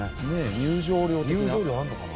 入場料あんのかな？